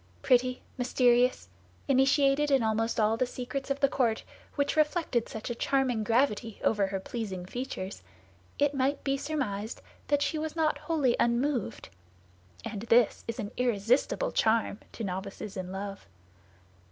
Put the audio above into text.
Pretty, mysterious, initiated in almost all the secrets of the court, which reflected such a charming gravity over her pleasing features, it might be surmised that she was not wholly unmoved; and this is an irresistible charm to novices in love.